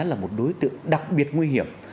là một đối tượng đặc biệt nguy hiểm